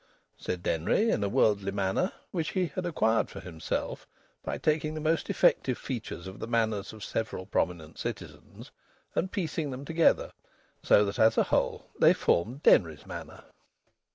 said Denry, in a worldly manner, which he had acquired for himself by taking the most effective features of the manners of several prominent citizens, and piecing them together so that, as a whole, they formed Denry's manner.